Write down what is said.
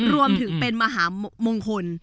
รวมถึงเป็นมหามงคล